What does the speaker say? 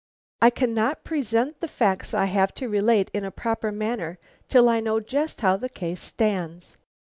I cannot present the facts I have to relate in a proper manner till I know just how the case stands."